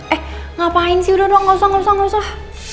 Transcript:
eh ngapain sih udah dong gak usah gak usah gak usah